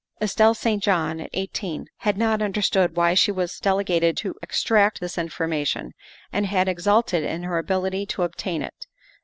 Estelle St. John at eighteen had not understood why she was delegated to extract this information and had exulted in her ability to obtain it.